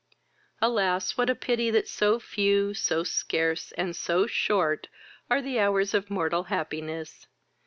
Alas! what a pity that so few, so scarce, and so short, are the hours of mortal happiness!